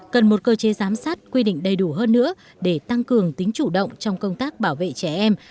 cần một cơ chế giám sát quy định đầy đủ hơn nữa để tăng cường tính chủ động trong công tác bảo vệ trẻ em